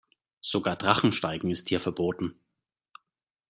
Sogar Drachensteigen ist hier verboten.